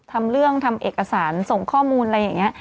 ทำเรื่องทำเอกสารส่งข้อมูลอะไรอย่างนี้